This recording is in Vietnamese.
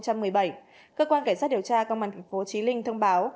cơ quan cảnh sát điều tra công an thành phố trí linh thông báo